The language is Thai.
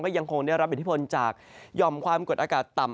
ยังคงได้รับอิทธิพลจากหย่อมความกดอากาศต่ำ